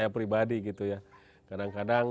pribadi gitu ya kadang kadang